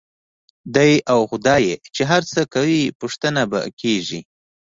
دی او خدای یې چې هر څه کوي، پوښتنه به کېږي.